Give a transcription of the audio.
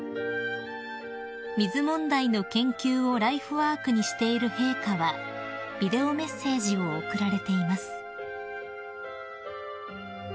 ［水問題の研究をライフワークにしている陛下はビデオメッセージを送られています］